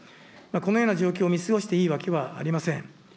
このような状況を見過ごしていいわけはありません。